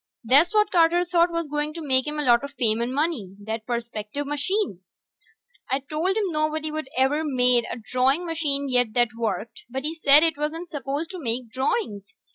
That's what Carter thought was going to make him a lot of fame and money, that perspective machine. I told him nobody'd ever made a drawing machine yet that worked, but he said it wasn't supposed to make drawings.